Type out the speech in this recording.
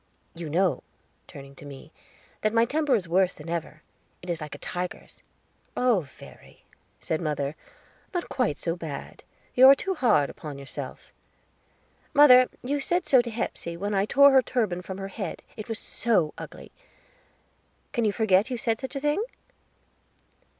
You know," turning to me, "that my temper is worse than ever; it is like a tiger's." "Oh, Verry," said mother, "not quite so bad; you are too hard upon yourself." "Mother, you said so to Hepsey, when I tore her turban from her head, it was so ugly. Can you forget you said such a thing?"